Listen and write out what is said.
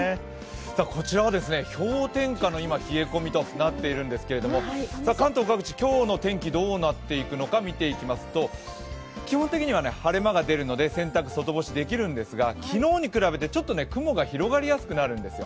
こちらは今、氷点下の冷え込みとなっているんですけれども、関東各地、今日の天気、どうなっていくのか見ていきますと基本的には晴れ間が出るので洗濯外干しできるんですが昨日に比べてちょっと雲が広がりやすくなるんですよ。